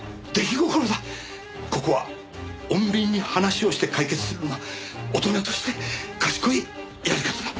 ここは穏便に話をして解決するのが大人として賢いやり方だ。